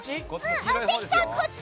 関さん、こっち！